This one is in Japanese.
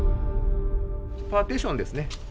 パーティションですね。